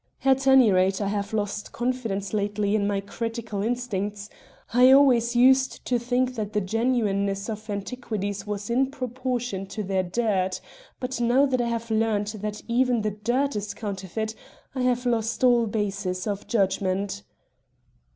"At any rate, I have lost confidence lately in my critical instincts. I always used to think that the genuineness of antiquities was in proportion to their dirt; but now that I have learnt that even the dirt is counterfeit I have lost all basis of judgment."